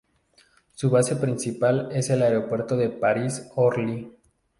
Su base principal es el Aeropuerto de París-Orly.